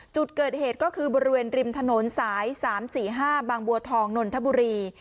จุดเกิดเหตุก็คือบริเวณริมถนนสาย๓๔๕บางบัวทองนนทบุรี